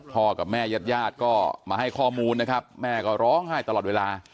พ่อกับแม่ญาติมาให้ข้อมูลแม่ก็ร้องไห้ตลอดเวลา